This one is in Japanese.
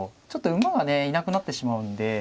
ちょっと馬がねいなくなってしまうんで。